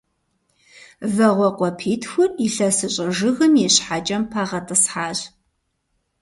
Вагъуэ къуапитхур илъэсыщӏэ жыгым и щхьэкӏэм пагъэтӏысхьащ.